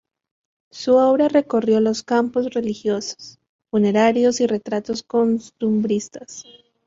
Su obra recorrió los campos religiosos, funerarios y retratos costumbristas.